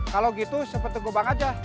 kalau gitu seperti gobang aja